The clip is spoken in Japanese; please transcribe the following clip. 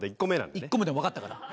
１個目でもわかったから。